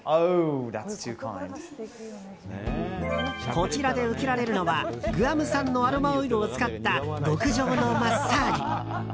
こちらで受けられるのはグアム産のアロマオイルを使った極上のマッサージ。